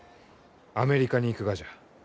アメリカに行くがじゃ。